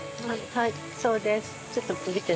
はい。